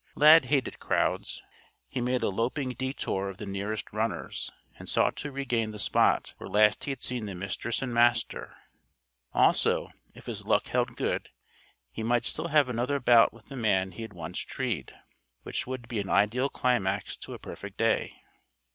Lad hated crowds. He made a loping detour of the nearest runners and sought to regain the spot where last he had seen the Mistress and Master. Also, if his luck held good, he might have still another bout with the man he had once treed. Which would be an ideal climax to a perfect day.